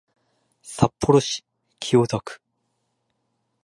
札幌市清田区